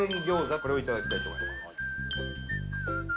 これをいただきたいと思います。